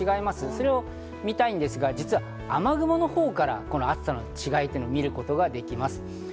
それを見たいんですが、実は雨雲のほうから暑さの違いを見ることができます。